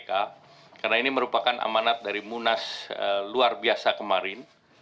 karena ini merupakan amanat dari munas luar biasa kemarin